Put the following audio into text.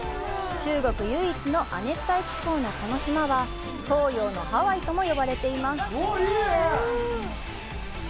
中国唯一の亜熱帯気候のこの島は、「東洋のハワイ」とも呼ばれています。